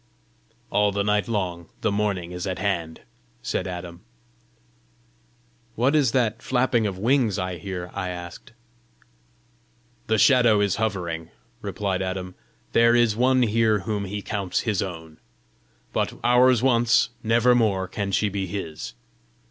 "All the night long the morning is at hand," said Adam. "What is that flapping of wings I hear?" I asked. "The Shadow is hovering," replied Adam: "there is one here whom he counts his own! But ours once, never more can she be his!"